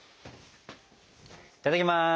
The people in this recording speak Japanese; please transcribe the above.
いただきます。